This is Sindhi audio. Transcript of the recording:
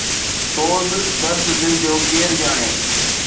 سوز درد دل جو ڪير ڄاڻي